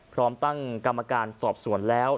พร้อมตั้งกรรมการสอบสวนแล้ว